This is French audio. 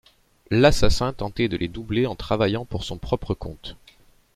L'assassin tentait de les doubler en travaillant pour son propre compte.